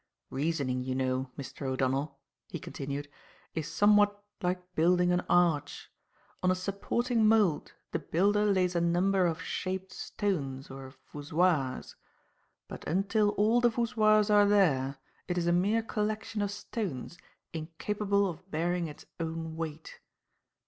Reasoning, you know, Mr. O'Donnell," he continued, "is somewhat like building an arch. On a supporting mould, the builder lays a number of shaped stones, or voussoirs; but until all the voussoirs are there, it is a mere collection of stones, incapable of bearing its own weight.